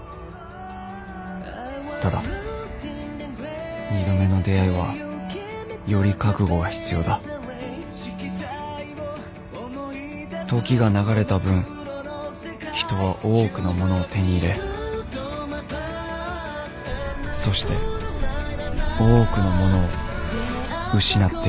ただ二度目の出会いはより覚悟が必要だ時が流れた分人は多くのものを手に入れそして多くのものを失ってしまうから